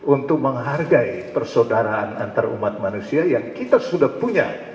untuk menghargai persaudaraan antarumat manusia yang kita sudah punya